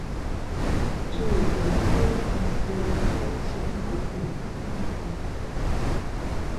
Ĉiu el tiuj konstruaĵoj ŝajnas esti templo.